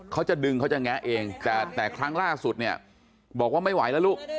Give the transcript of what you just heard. เขาจะดึงเขาจะแงะเองแต่แต่ครั้งล่าสุดเนี่ยบอกว่าไม่ไหวแล้วลูก